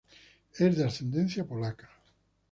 Es de ascendencia polaca.